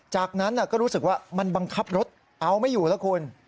จากนั้นก็รู้สึกว่ามันบังคับรถเอาไม่อยู่แล้วคุณ